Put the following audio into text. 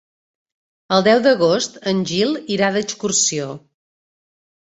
El deu d'agost en Gil irà d'excursió.